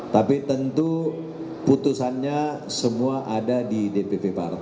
tapi tentu putusannya semua ada di dpp pak dhani pomanto